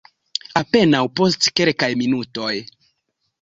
Apenaŭ post kelkaj minutoj.